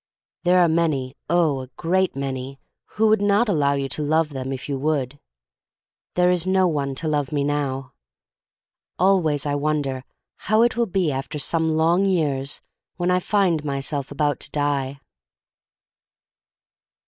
There are many — oh, a great many — who will not allow you to love them if you would. There is no one to love me now. Always I wonder how it will be after some long years when I find myself about to die.